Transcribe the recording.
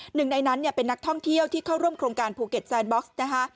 หนึ่งในนั้นเป็นนักท่องเที่ยวที่เข้าร่วมโครงการภูเก็ตแซนบ็อกซ์นะคะ